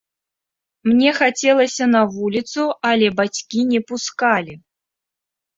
Мне хацелася на вуліцу, але бацькі не пускалі.